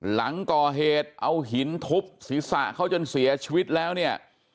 หลังก่อเหตุเอาหินทุบศีรษะเขาจนเสียชีวิตแล้วเนี่ย